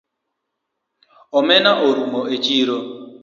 Omena orumo echiro